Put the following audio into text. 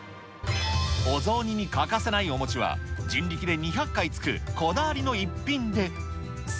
お雑煮に欠かせないお餅は、人力で２００回つくこだわりの逸品で。